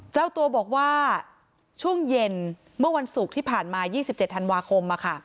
เจ้าตัวบอกว่าช่วงเย็นเมื่อวันศุกร์ที่ผ่านมา๒๗ธันวาคม